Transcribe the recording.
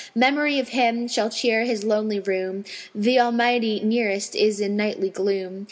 Memory of Him shall cheer his lonely room: Th' Almighty nearest is in nightly gloom.